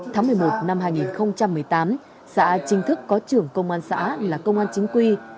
tháng một mươi một năm hai nghìn một mươi tám xã chính thức có trưởng công an xã là công an chính quy